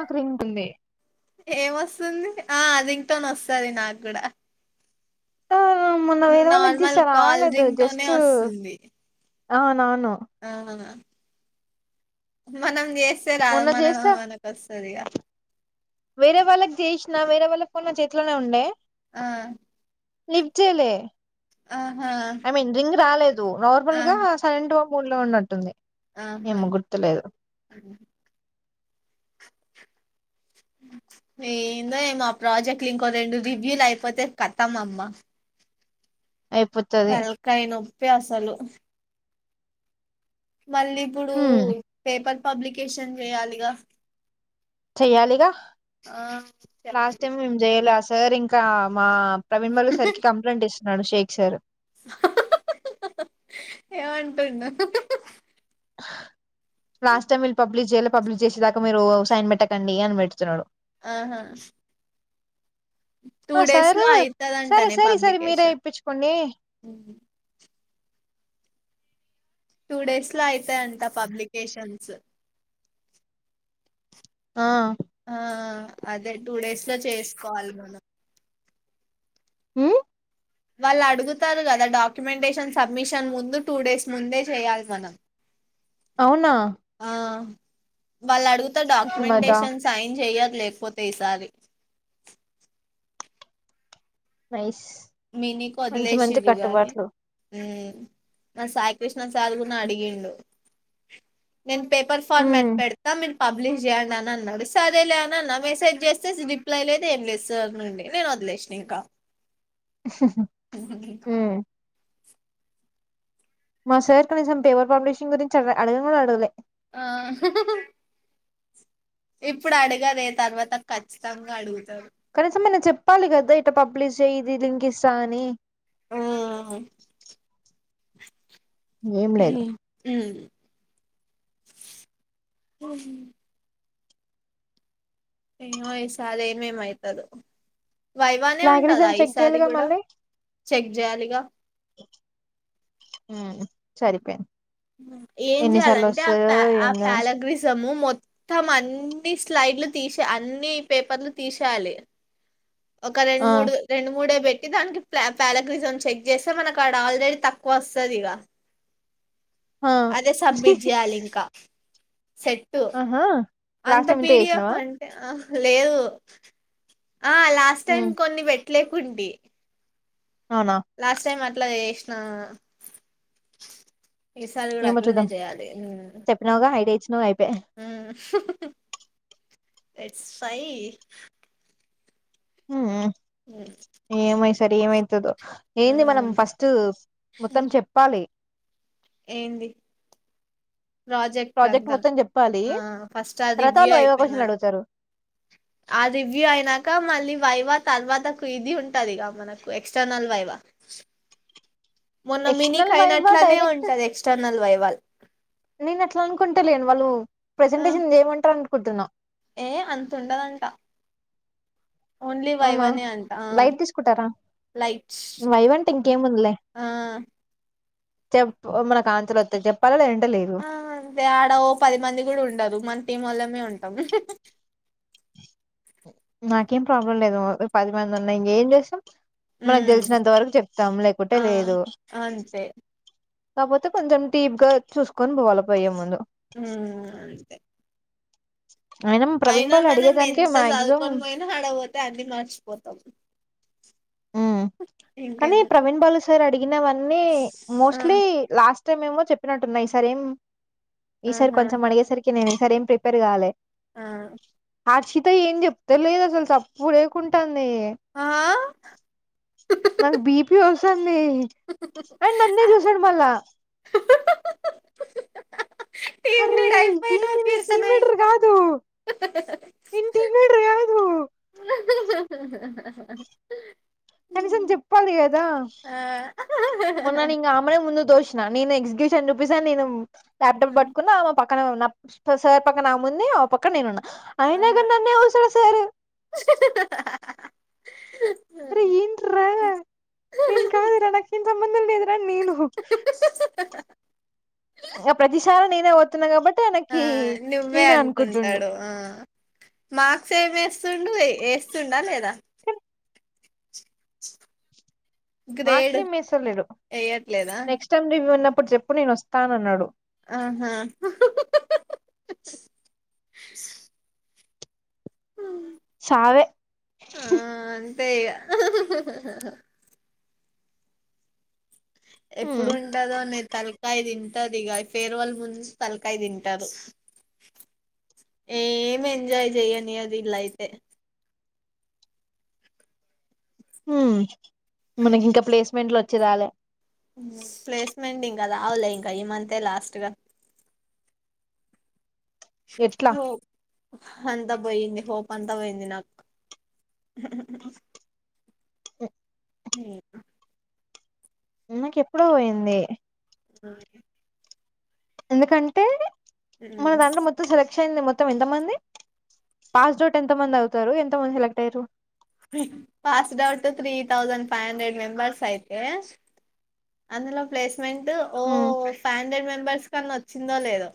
ఆ క్రీమ్ ఉంటుంది ఏం వస్తుంది ఆ అది ఇంకా నోస్తదీ నాకు గూడా ఆ మొన్న వేరే వాళ్ళక్ జేస్తే కాల్ రాలేదు రింగ్ టోనే జస్టూ అవునా ఆనన మనం జేస్తే రాదు మొన్న మనం చేసిన మనకొస్తది ఇగ వేరే వాళ్ళకి జేసినా వేరే వాళ్ళ ఫోన్ నా చేతిలోనే ఉండే ఆ లిఫ్ట్ జేయలే ఆహా ఐ మీన్ రింగ్ రాలేదు నార్మల్ ఆ గా సలెంట్ లో మోడ్ లో ఉన్నట్టుంది ఆహా ఏమో గుర్తులేదు ఏందో ఏమో ఆ ప్రాజెక్ట్ లు ఇంకో రెండు రివ్యూలు అయిపోతే కతం అమ్మ అయిపోతది తలకాయ నొప్పి అసలు మళ్ళీ ఇప్పుడు హ్మ్ పేపర్ పబ్లికేషన్ చేయాలిగా చెయ్యాలిగా ఆ లాస్ట్ చేయాలి టైం మేం జేయాలె ఆ సార్ ఇంకా మా ప్రవీణ్ మల్లు సార్కి కంప్లైంట్ ఇస్తున్నాడు షేక్ సార్ ఏమంటుండు లాస్ట్ టైమ్ వీళ్ళు పబ్లిక్ జేయాలే పబ్లిష్ జేసే దాకా మీరు సైన్ పెట్టకండి అని పెటుతున్నాడు ఆహా టూ ఆ డేస్ సారు లో సరే అయితదంటనే సరే ఈసారి మీరే పబ్లికేషన్ ఇప్పించుకోండి టూ డేస్ లో అయితదంట పబ్లికేషన్స్ ఆ ఆ ఆ అదే టూ డేస్ లో చేసుకోవాలి మనం మ్ వాళ్ళు అడుగుతారు కదా డాక్యుమెంటేషన్ సబ్మిషన్ ముందు టూ డేస్ ముందే చేయాలి మనం అవునా ఆ వాళ్ళు అడుగుత అట్లమాట డాక్యుమెంటేషన్ సైన్ జేయ లేకపోతే ఈసారి వైస్ మినికి వదిలేసిరు గాని మా సాయి కృష్ణ సార్ గున్నా అడిగిండు నేను పేపర్ హ్మ్ ఫార్మాట్ పెడతా మీరు పబ్లిష్ జేయండి అని అన్నాడు సరేలే అని అన్నా మెసేజ్ జేస్తే రిప్లై లేదు ఏం లేదు సార్ నుండి నేను వ లేస్సిన ఇంక హ్మ్ మా సర్ కనీసం పేపర్ పబ్లిషింగ్ గురించి అ అడగను గూడా అడగలే ఆ ఇప్పుడు అడగలే తర్వాత ఖచ్చితంగా అడుగు కనీసం అయిన చెప్పాలి కదే ఇటు పబ్లిష్ జెయ్ ఇది లింక్ ఇస్తా అని మ్మ్ ఏం లేదు మ్ మ్ ఆ ఏమో ఈసారి ఏమేమ్ అయితదో వైవానే ఉంటదా ప్లాగరిజం చెక్ ఈసారి చేయాలిగా కూడా మళ్ళీ చెక్ చేయాలిగా ఉ సరిపే ఏం చెయాలంటే ఆ ప ఆ ఏందో ప్యాలగ్రిజము మొత్తం అన్ని స్లైడ్లు తీస అన్ని పేపర్లు తీసేయాలి ఒక రెండు ఆ మూడు రెండు మూడే పెట్ దానికి ప పారాగ్రిజమ్ చెక్ చేస్తే మనకు అడ ఆల్రెడీ తక్కువ వస్తుంది ఇక ఆ అదే సబ్మిట్ చేయాలి ఇంకా సెట్టు ఆహా అంత లాస్ట్ టైం ఇంతే పీడిఎఫ్ చేసినావా అంటే లేదు ఆ లాస్ట్ టైం హ్మ్ కొన్ని పెట్టలేకుంటి అవునా లాస్ట్ టైం అట్లా చేసినా ఈసారి కూడా ఏమో అట్లనే చూద్దాం చేయాలి చెప్పినావుగా ఐడియా ఇచ్చినావ్ అయిపాయ్ ఎస్ఐ ఉ ఉ సరే ఏమవుతుందో ఏంది మనం ఫస్ట్ మొత్తం చెప్పాలి ఏంది ప్రాజెక్ట్ అంతా మొత్తం చెప్పాలి ఆ ఫస్ట్ అ తర్వాత రివ్యూ వాళ్ళు వైవా క్వశ్చన్లు అయిపోయినాక అడుగుతారు ఆ రివ్యూ అయినాక మళ్ళీ వైవా తర్వాతకు ఇది ఉంటదిగా మనకు ఎక్స్టర్నల్ వైవా మొన్న మినికి ఎక్స్టర్నల్ వైవా అయినట్లనే డైరెక్ట్ ఉంటది ఎక్స్టర్నల్ వై వాల్ నేను అట్లా అనుకుంటలేను వాళ్ళు ప్రజెంటేషన్ చేయమంటారు అనుకుంటున్నా ఏ అంతుండదంట ఆమ లైట్ తీసుకుంటారా లైట్స్ వైవంటే ఇంకేముందలే ఆ చెప్పు మన కాంచలు వత్తయి చెప్పాలలే ఏ ఆ అంటే ఆడ పది మంది కూడా ఉండరు మన టీం వల్లమే ఉన్ అవునా నాకేం ప్రాబ్లం లేదు పది మంది ఉన్నా ఇంకేం చేస్తాం మనకు ఉమ్ తెలిసినంత వరకు చెప్తాము లేకుంటే ఆ లేదు అంతే కాకపోతే కొంచెం డీప్ గా చూసుకొని పోవాలి పోయ్యే ముందు ఉ అంతే ప్రవీణ్ అయినా వాళ్ళు మనం అడిగేదానికే ఎంత మాక్సిమం చదువుకొని పోయినా ఆడపోతే అన్ని మర్చిపోతాము ఉ కానీ ప్రవీణ్, బాలు సార్ అడిగినవన్నీ ఆ మోస్ట్లీ లాస్ రేపు మేము చెప్పినట్టున్నా ఈసారి ఏం ఈసారి ఆహా కొంచెం అడిగేసరికి నేను ఈసారి ఏం ప్రిపేర్ కాలే ఆ ఆచిత ఏం చెప్తేలేదు అసలు సప్పుడు లేేకుంటాంది ఆ నాకు బీపి వస్తంది ఆయన నన్నే చూసాడు మళ్ళా అరే వీడ్ అయిపోయినా ఏంది నేను టీమ్ ఇర్సనా లీడర్ ఇంకా కాదు నేను టీమ్ లీడర్ కాదు [unintelligible] కనీసం చెప్పాలి కదా ఆ మొన్న నేన్ గామెనే ముందు తోషిన నేన్ ఎక్జిక్యూషన్ చూపేస నేను లాప్టాప్ పట్టుకున్న ఆమె పక్కన సార్ పక్కన ఆముంది ఆమె పక్కన నేనున్నా ఆ అయినా కాని నన్నే తోసేసారు ఆ. అరే ఏంట్రా ఇంకా ఏలెక్షన్ సంబంధం లేదు అని నేను ఏ ప్రతిసారి నేనే పోతున్న కాబట్ ఆ నువ్వే అనుకుంటాడు ఆ మార్క్స్ ఏమి వేస్తుండు వేస్తుండా లేదా [inaudible] మార్క్స్ గ్రేడ్ ఏం వేస్తలేడు వేయట్లేదా నెక్స్ట్ టైం రివ్యూ ఉన్నప్పుడు చెప్పు నేను వస్తానన్నాడు ఆహా సారె తె ఇగ హ్మ్ ఎప్పుడు ఉంటాదో నే తలకాయి తిన్ అ ఇది గా ఫేర్ వల్ నుంచి తలకైదింటారు ఏం ఎంజాయ్ చెయనియది ఇలైతే మ్మ్ మనకి ఇంకా ప్లేస్మెంట్లు వచ్చే లాగ ప్లేస్మెంట్ ఇంకా రాదులే ఇంకా ఈ మంతే లాస్టుగా ఎట్లా అంత పోయింది పోతాంటావ్ ఎంది నాకు ఓ [unintelligible] నాకు ఎప్పుడో పోయింది [inaudible] ఎందుకంటే మన ఉమ్. దాంట్లో మొత్తం సెలెక్ షన్ మొత్తం ఎంత మంది పాస్డోట్ ఎంత మంది అవుతారు ఎంత మంది సెలెక్ట్ అయ్యారు passed out three thousand five hundred members ఐతే అందులో ప్లేస్మెంట్ ఓ ఫైవ్ హండ్రెడ్ మెంబర్స్ కన్నా వచ్చిందో లేదో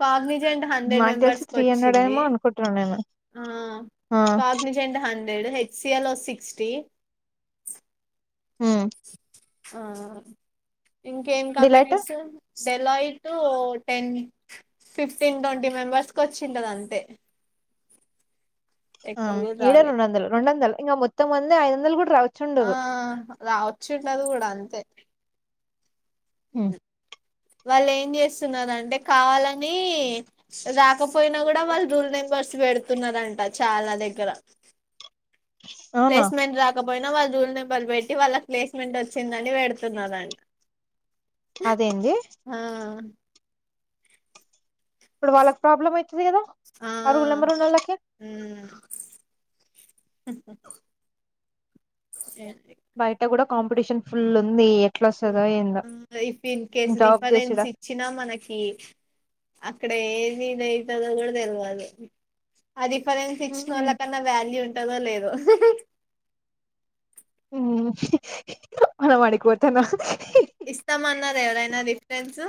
కామి ప్రజెంట్ హండ్రెడ్ నాకు తెలిసి మెంబర్స్ కి త్రీ హండ్రెడ్ వచ్చింది ఏమో అనుకుంటున్నా నేను అ ఆ కానిజండ [unintelligible] హన్ దేడ్ హెచ్ సి ఎల్ ఓ సిక్స్ టి మ్మ్ ఆ ఇంకేం డిలైట్ కంపెనీస్ సెలైట్ టెన్ ఫిఫ్టీన్ ట్వంటీ మెంబర్స్ కి వచ్చిండదు అంతే ఆ ఎక్కువ కూడా ఇడ రాలే రెండు వందలు రెండు వందలు ఇంకా మొత్తం వంద ఐదు వందలు కూడా ఆ రావచ్చుండదు రావచ్చు అట్లా కూడా అంతే ఉను వాళ్ళు ఏం చేస్తున్నారు అంటే కావాలని రాకపోయినా కూడా వాళ్ళు రూల్ నెంబర్ స్ పెడుతున్నారంట చాలా దగ్గర అవునా ప్లేస్మెంట్ రాకపోయినా వాళ్ళు జున్ రోల్ నెంబర్ పెట్టి వాళ్ళకి ప్లేస్మెంట్ వచ్చిందని పెడుతున్నరంటా అదేంది ఆ అప్పుడు వాళ్లకి ప్రాబ్లమ్ ఐతదికదా ఆ రోల్ నంబర్ ఉన్నోళ్లకి లేదు బయట కూడా కాంపిటీషన్ ఫుల్ ఉంది ఇగ ఇఫ్ ఇన్ కేేస్ జాబ్ చేసుడ రిఫరెన్స్ ఇచ్చినా మనకి అక్కడ ఏ ఆ రిఫరెన్స్ ఇచ్చిన వాళ్ళ కన్నా వ్యాల్యూ వత్తాదో లేదో మ్మ్ అలా వాన్ని కొడతాన్న [unintelligible] ఇస్తామన్నారు ఎవరైనా రిఫరెన్స్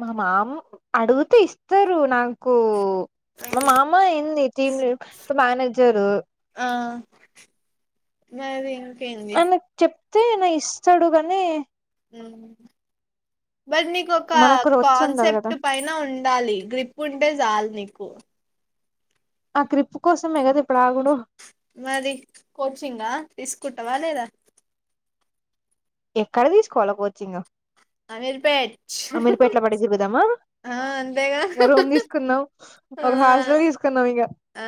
మా మామ్ అడుగుతే ఇస్తారు నాకు మా మామే ఎంది టీమ్ కు మేనేజరు ఆ మరి ఇంకేంది తనకి చెప్తే నే ఇస్తాడు గాని అవున్ బట్ నీకు ఒక మనకు వచ్చి ఉండాలి కదా కాన్సెప్ట్ పైన ఉండాలి గ్రిప్ ఉంటే చాలు నీకు ఆ గ్రిప్ కోసమే కదా ఇప్పుడు ఆగుడు మరి కోచింగ్ ఆ తీసుకుంటావా లేదా ఎక్కడ తీసుకోవాల కోచింగ్ అమీర్పేట్ అమిర్ పేట్ లొ మీరు [unintelligible] పోదామ ఆ అంతేగా ఇగ రూమ్ తీసుకున్నాం ఆ ఒక హాస్టల్ తీసుకున్నాం ఇగ ఆ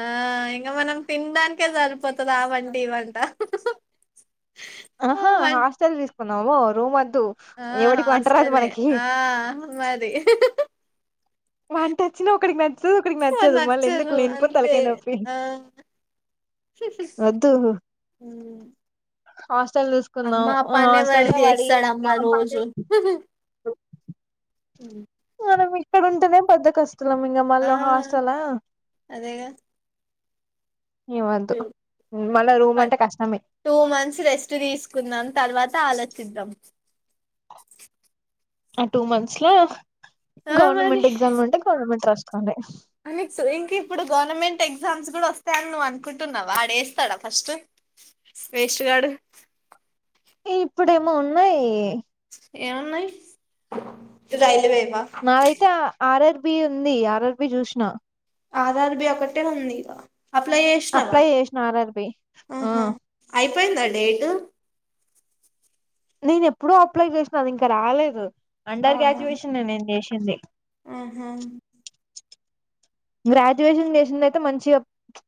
ఇంకా మనం తినడానికే సరిపోతుంది ఆ వంట ఈ వంట ఆ, ఆహా వం హాస్టల్ తీసుకుందాం ఓ రూమ్ వ ఆ హాస్టల్ ఆ మరి వంట వచ్చినా ఒకడికి నచ్చుతది ఒకడికి నచ్చదు మళ్ళీ ఎందుకు లేనిపోని తలకాయ నొప్పి వద్దు హు హాస్టల్ చూసుకుందాం అ హాస్టల్ వాడు లో పడి చేస్తాడమ్మా రోజు [unintelligible] ఉమ్. మనం ఇక్కడ ఉంటేనే పెద్ద కష్టలం ఇంకా మళ్ళ ఆ హాస్టలా హు మళ్ళా ఒక రూమ్ అంటే కష్టమే టూ మంత్స్ రెస్ట్ తీసుకుంనా తర్వాత ఆలోచిద్దాం ఆ టూ మంత్స్ లో ఆ గవర్నమెంట్ ఎగ్జామ్లు ఉంటే గవర్నమెంట్ రాసుకోండి అనిఇచ్చి ఇంక ఇప్పుడు గవర్నమెంట్ ఎగ్జామ్స్ కూడా వస్తాయని నువ్వు అనుకుంటున్నావా వాడు వేస్తాడా ఫస్ట్ వేస్ట్ గాడు ఇప్పుడేమో ఉన్నాయి ఎమన్నాయి రైల్ వేవి నాదైతే ఆర్ఆర్ బి ఉంది ఆర్ఆర్ బి చూసిన ఆర్ఆర్ బి ఒకటే ఉంది అప్లై చేసినావా అపి ఆ ఆహా అయిపోయిందా డేట్ టు నేను ఎప్పుడో అప్లై చేసిన అది ఇంకా రాలేదు అండర్ ఆహా గ్రాడ్యుయేషన్ నేను చేసింది ఆహా గ్రాడ్యుయేషన్ చేసింది అయితే మంచిగా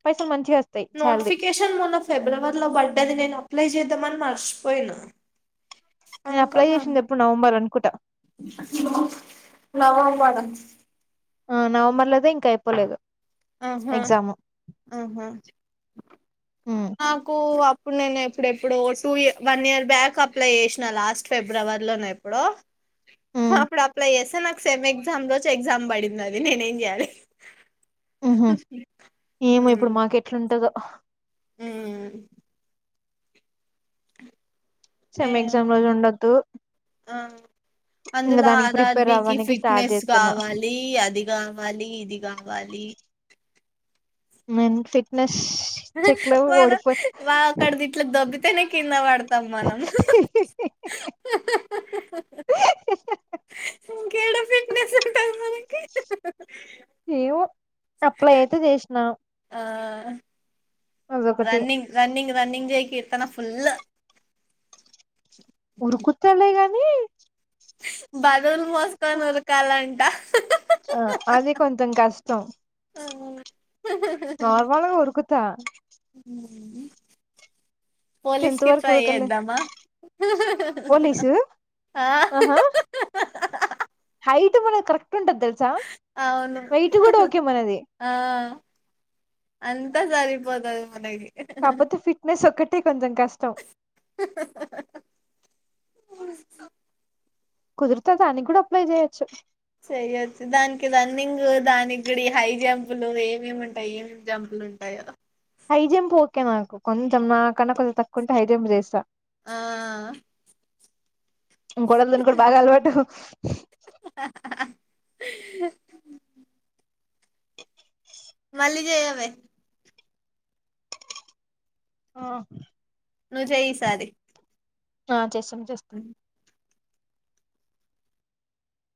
పైసాలు మంచిగా వస్త నోటిఫికేషన్ మొన్న ఫిబ్రవరిలో పడ్డది నేను అప్లై చేద్దామని మర్చిపోయినా నేను అప్లై చేసింది ఎప్పుడు నవంబర్ అనుకు ఇగో నవంబర్ లా ఆ నవంబర్ లోదే ఇంకా అయిపోలేదు ఆహా ఎగ్జామ్ ఆహా నాకు అప్ ఇప్పుడు నేను ఎప్పుడెప్పుడు టూ ఇ వన్ ఇయర్ బ్యాక్ అప్లై చేసిన లాస్ట్ ఫిబ్రవరిలో నా ఎప్పుడో అప్పుడు అప్లై చేస్తా నాకు సెమ్ ఎగ్జామ్ రోజు ఎగ్జామ్ పడింది అది నేనే ఏం చేయ్యాలి ఉహు ఏమో ఇప్పుడు మాకు ఎట్లా ఉంటదో ఉహు అ సెమ్ ఎగ్జామ్ రోజు ఉండొద్దు అహా ఇంకా అందులో దానికి ఆర్ఆర్ ప్రిపేర్ బి కి అవ్వడానికి స్టార్ట్ ఫిట్నెస్ చేస్తున్నా కావాలి అది కావాలి ఇది కావాలి నేను ఫిట్నె మనం వా అక్కడ గిట్ల దొబ్బితేనే కింద పడతం మనం ఆహ్ ఆహ్ ఆహ్ ఆహ్ ఇంకా ఏడ ఫిట్నెస్ ఉంటది మనకి ఏమో అప్లై అయితే చేసినా ఆ అదొకటి రన్నింగ్ రన్నింగ్ రన్నింగ్ చేయి కీర్తన ఫుల్ ఉరుకుతాలే గాని బరువులు మోసుకొని ఉరుకాలం ఆ అది కొంచెం కష్టం నార్మల్ గా ఉరుకుతా ఉహు పోలీస్ టెన్త్ కి వరకు ట్రై ఉరకలే చేద్దామా పోలీసు ఓహో ఆహ్ ఆహ్ ఆహ్ హైట్ మనది కరెక్ట్ తెలుసా అవును వెయిట్ కూడా ఓకే మనది ఆ అం అంత సరిపోతది మనకి కాకపోతే ఫిట్నెస్ ఒక్కటే కొంచెం కష్టం కుదురితే దానికి కూడా అప్లై చేయొచ్చు చెయొచ్చు దానికి రన్నింగ్ దానికుడి హై జంపులు ఏమేమి ఉంటాయి ఉంటాయి గదా హైజంప్ ఓకే నాకు కొంచెం నాకన్నా కొంచెం తక్కువుంటే హైజంప్ చేస్తా ఆ గోడలు దూనుకుడు బాగా అలవాటు మళ్లి చేయవే ఆ నువ్వు చేయి ఈసారి ఆ చేస్తాం చేస్తాం